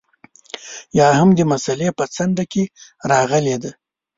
یا هم د مسألې په څنډه کې راغلې ده.